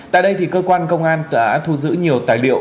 tại đây cơ quan công an đã thu giữ nhiều tài liệu